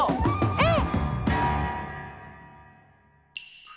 うん！